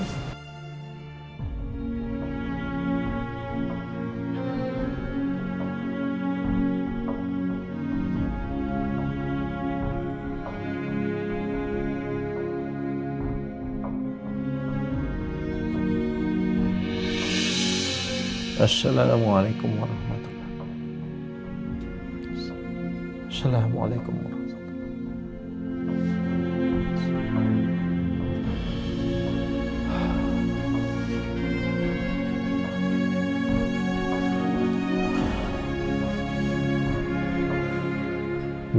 assalamualaikum warahmatullahi wabarakatuh